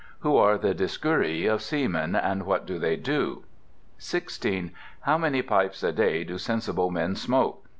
Who are the Dioscuri of Seamen, and what do they do? 16. How many pipes a day do sensible men smoke?